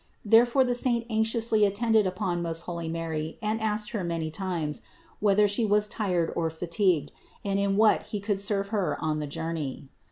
Therefore the saint anxiously attended upon most holy Mary arid asked her many times, whether She was tired or fatigued, and in what he could serve Her on the journey.